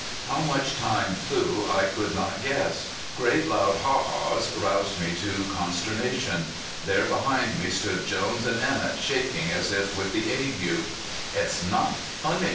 How much time flew I could not guess. Great loud "Haw haws!" roused me to consternation. There behind me stood Jones and Emett shaking as if with the ague. "It's not funny!"